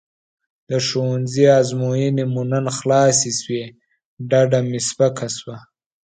د ښوونځي ازموینې مو نن خلاصې شوې ډډه مې سپکه شوه.